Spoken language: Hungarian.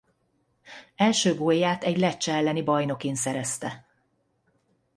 Első gólját egy Lecce elleni bajnokin szerezte.